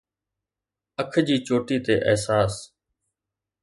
اک جي چوٽي تي احساس